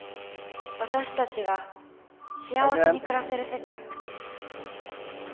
私たちが幸せに暮らせる世界。